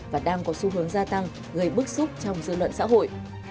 và đang có xu hướng gia tăng gây bức xúc trong dư luận xã hội